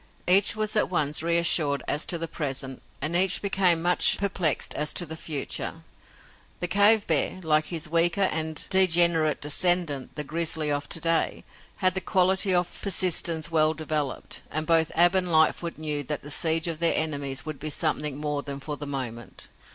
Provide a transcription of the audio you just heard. Each was at once reassured as to the present, and each became much perplexed as to the future. The cave bear, like his weaker and degenerate descendant, the grizzly of to day, had the quality of persistence well developed, and both Ab and Lightfoot knew that the siege of their enemies would be something more than for the moment.